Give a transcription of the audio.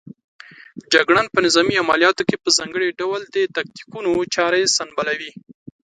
جګړن په نظامي عملیاتو کې په ځانګړي ډول د تاکتیکونو چارې سنبالوي.